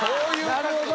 なるほど。